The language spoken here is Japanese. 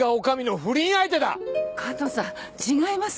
加藤さん違います。